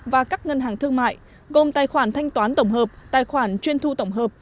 và các ngân hàng thương mại gồm tài khoản thanh toán tổng hợp tài khoản chuyên thu tổng hợp